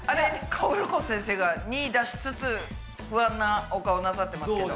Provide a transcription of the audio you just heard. かおるこ先生が②出しつつ不安なお顔なさってますけど。